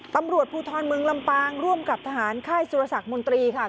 ตำรวจภูทรเมืองลำปางร่วมกับทหารค่ายสุรสักมนตรีค่ะ